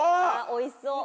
おいしそう。